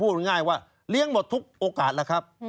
ง่ายว่าเลี้ยงหมดทุกโอกาสแล้วครับ